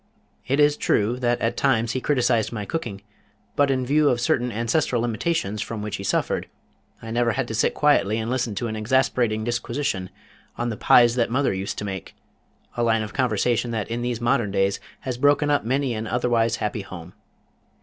It is true that at times he criticised my cooking, but in view of certain ancestral limitations from which he suffered, I never had to sit quietly and listen to an exasperating disquisition on the Pies That Mother Used To Make, a line of conversation that in these modern days has broken up many an otherwise happy home.